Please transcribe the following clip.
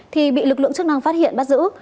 thì bị lực lượng chức năng phát hiện bắt giữ